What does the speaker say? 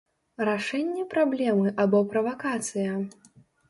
Рашэнне праблемы або правакацыя?